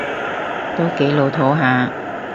都幾老套吓